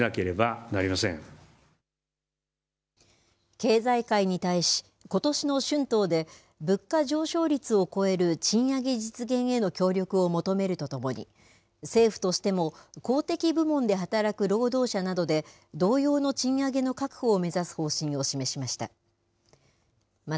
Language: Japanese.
経済界に対し、ことしの春闘で物価上昇率を超える賃上げ実現への協力を求めるとともに、政府としても公的部門で働く労働者などで同様の賃上げの確保を目指す方針を示しました。